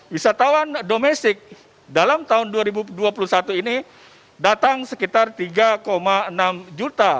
wisatawan domestik dalam tahun dua ribu dua puluh satu ini datang sekitar tiga enam juta